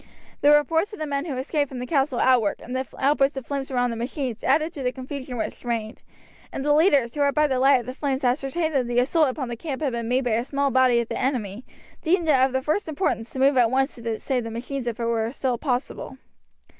The reports of the men who escaped from the castle outwork and the outburst of flames around the machines added to the confusion which reigned, and the leaders, who had by the light of the flames ascertained that the assault upon the camp had been made by a small body of the enemy, deemed it of the first importance to move at once to save the machines if it were still possible.